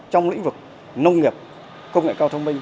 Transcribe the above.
trong lĩnh vực nông nghiệp công nghệ cao thông minh